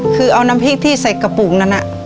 คือเอาน้ำพริกที่ใส่กระปุกนั้น